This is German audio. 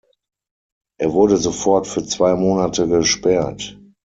Er wurde sofort für zwei Monate gesperrt.